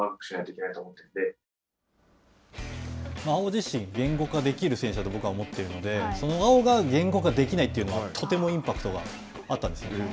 碧自身、言語化できる選手だと思っているので、その碧が言語化できないというのは、とてもインパクトがあったんです。